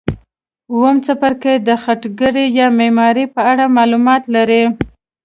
اووم څپرکی د خټګرۍ یا معمارۍ په اړه معلومات لري.